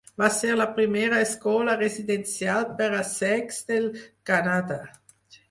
Va ser la primera escola residencial per a cecs del Canadà.